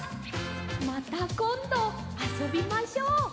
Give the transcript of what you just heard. またこんどあそびましょう！